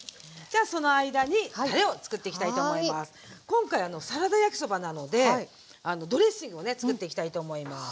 今回サラダ焼きそばなのでドレッシングをねつくっていきたいと思います。